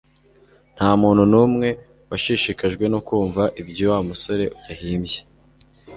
Ntamuntu numwe washishikajwe no kumva ibyoWa musore yahimbye